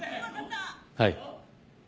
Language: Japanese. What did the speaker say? はい。